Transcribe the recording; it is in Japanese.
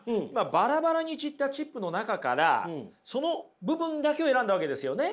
バラバラに散ったチップの中からその部分だけを選んだわけですよね？